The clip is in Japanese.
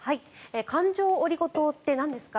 環状オリゴ糖ってなんですか？